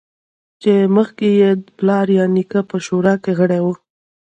چې مخکې یې پلار یا نیکه په شورا کې غړی و